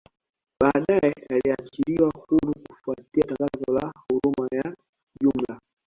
Baadae aliachiliwa huru kufuatia tangazo la huruma la jumla